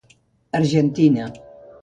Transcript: Argentina.